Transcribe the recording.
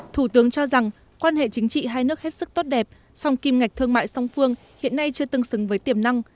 thủ tướng cho rằng quan hệ chính trị hai nước hết sức tốt đẹp song kim ngạch thương mại song phương hiện nay chưa tương xứng với tiềm năng